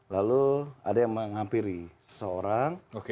lalu ada yang menghampiri seseorang